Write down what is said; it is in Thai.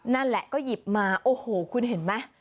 นั่นแหละก็หยิบมาโอ้โหคุณเห็นไหม